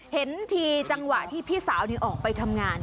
เห็นทีจังหวะที่พี่สาวออกไปทำงาน